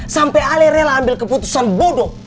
sampai ale rela ambil keputusan bodoh